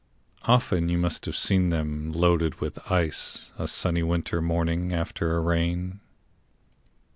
Often you must have seen them Loaded with ice a sunny winter morning After a rain.